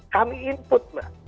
kami input mbak